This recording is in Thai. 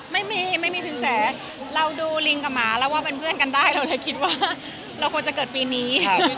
ไม่มีไม่มีสินแสเราดูลิงกับหมาแล้วว่าเป็นเพื่อนกันได้เราเลยคิดว่าเราควรจะเกิดปีนี้ค่ะ